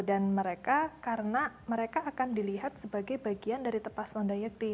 dan mereka karena mereka akan dilihat sebagai bagian dari tepas tandayakti